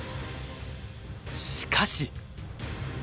しかし。